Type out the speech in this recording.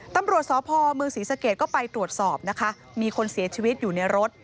ตำรวจสพเมืองศรีสะเกดก็ไปตรวจสอบนะคะมีคนเสียชีวิตอยู่ในรถ